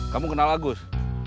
kamu kenal agus